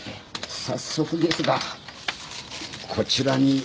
早速ですがこちらにご記入を。